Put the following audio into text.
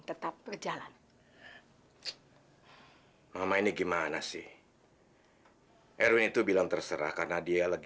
tetap berjalan mama ini gimana sih rw itu bilang terserah karena dia lagi